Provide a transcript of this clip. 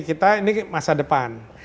kita ini masa depan